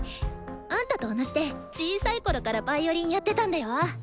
あんたと同じで小さいころからヴァイオリンやってたんだよ。